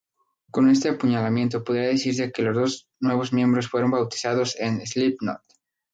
Con este apuñalamiento podría decirse que los dos nuevos miembros fueron "bautizados" en Slipknot.